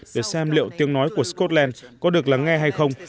để xem liệu tiếng nói của scotland có được lắng nghe hay không